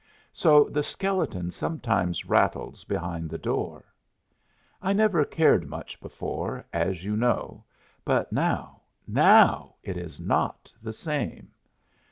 So the skeleton sometimes rattles behind the door. I never cared much before, as you know, but now now it is not the same.